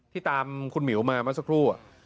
ที่ตามคุณหมิวมาสักครู่